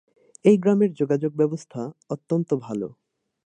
এই গ্রামের যোগাযোগ ব্যবস্থা অত্যন্ত ভাল।